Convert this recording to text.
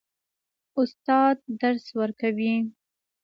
استاد درس ورکوي.